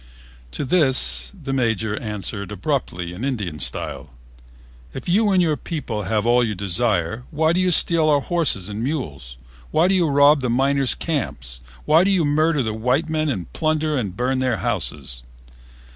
To this the Major answered abruptly in Indian style: "If you and your people have all you desire, why do you steal our horses and mules? Why do you rob the miners' camps? Why do you murder the white men and plunder and burn their houses?"